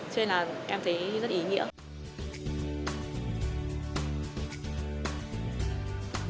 cho nên là em thấy rất ý nghĩa